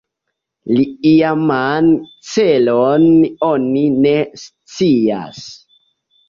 La iaman celon oni ne scias.